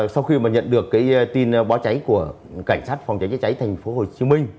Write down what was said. sau khi nhận được tin bỏ cháy của cảnh sát phòng cháy chữa cháy tp hcm